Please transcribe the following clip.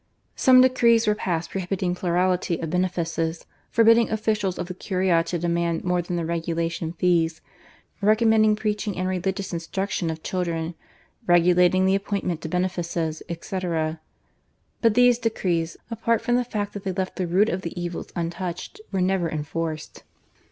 Some decrees were passed prohibiting plurality of benefices, forbidding officials of the Curia to demand more than the regulation fees, recommending preaching and religious instruction of children, regulating the appointment to benefices, etc., but these decrees, apart from the fact that they left the root of the evils untouched, were never enforced.